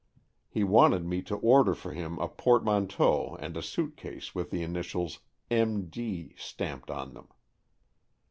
He wanted me to order for him a portmanteau and a suit case with the initials M. D. stamped on them.